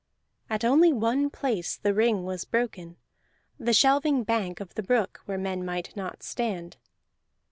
At only one place the ring was broken: the shelving bank of the brook, where men might not stand.